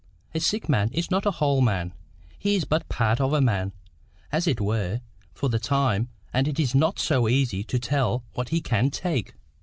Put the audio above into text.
A sick man is not a WHOLE man. He is but part of a man, as it were, for the time, and it is not so easy to tell what he can take."